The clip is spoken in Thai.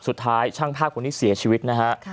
สุดท้ายช่างภาพคนนี้เสียชีวิตนะฮะ